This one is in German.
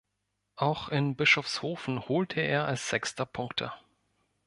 Auch in Bischofshofen holte er als Sechster Punkte.